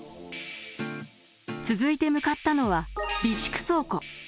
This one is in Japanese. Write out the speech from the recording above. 続いて向かったのは備蓄倉庫。